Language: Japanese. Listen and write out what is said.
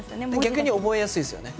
逆に覚えやすいですよね。